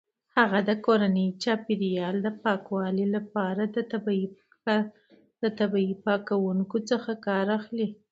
هغې د کورني چاپیریال د پاکوالي لپاره د طبیعي پاکونکو څخه کار اخلي.